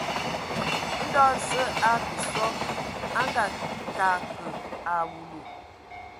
Ndo Zəə a akə sɔ a a ngakǝ a awulu.